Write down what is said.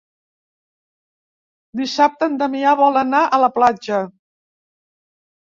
Dissabte en Damià vol anar a la platja.